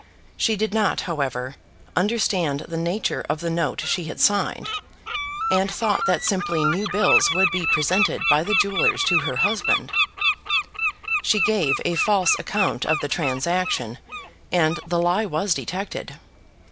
She did not, however, understand the nature of the note she had signed, and thought that simply new bills would be presented by the jewellers to her husband. She gave a false account of the transaction, and the lie was detected.